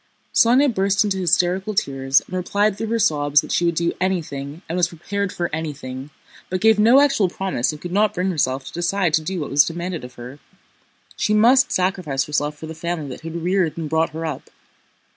Sónya burst into hysterical tears and replied through her sobs that she would do anything and was prepared for anything, but gave no actual promise and could not bring herself to decide to do what was demanded of her. She must sacrifice herself for the family that had reared and brought her up.